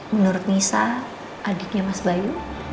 menurut nisa adiknya mas bayu